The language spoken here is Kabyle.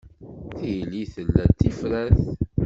Tili tella tifrat.